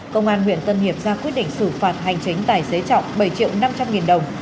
công an huyện tân hiệp ra quyết định xử phạt hành chính tài xế trọng bảy triệu năm trăm linh nghìn đồng